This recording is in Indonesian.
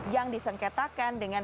yang disengketakan dengan